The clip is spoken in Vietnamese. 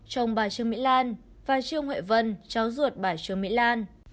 chồng bà trương mỹ lan và trương huệ vân cháu ruột bà trương mỹ lan